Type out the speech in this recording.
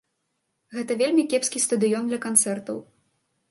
Гэта вельмі кепскі стадыён для канцэртаў.